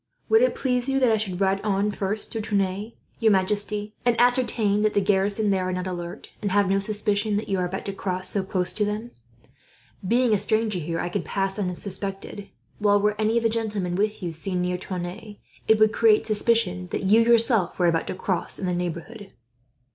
"Would it please you that I should ride on first to Tonneins, your majesty, and ascertain if the garrison there are not alert, and have no suspicion that you are about to cross so close to them? Being a stranger here I could pass unsuspected; while were any of the gentlemen with you seen near Tonneins, it would create suspicion that you, yourself, were about to cross in the neighbourhood."